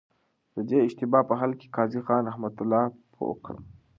د دې اشتباه په حل کي قاضي خان رحمه الله پوه کړم.